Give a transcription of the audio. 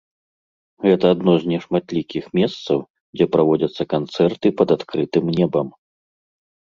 Гэта адно з нешматлікіх месцаў, дзе праводзяцца канцэрты пад адкрытым небам.